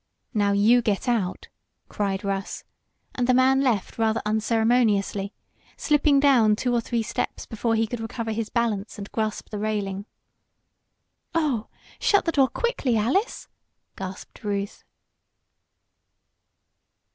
"Now you get out!" cried Russ, and the man left rather unceremoniously, slipping down two or three steps before he could recover his balance and grasp the railing. "Oh, shut the door, quickly, Alice!" gasped Ruth.